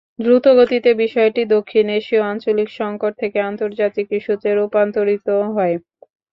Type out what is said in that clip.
দ্রুতগতিতে বিষয়টি দক্ষিণ এশীয় আঞ্চলিক সংকট থেকে আন্তর্জাতিক ইস্যুতে রূপান্তরিত হয়।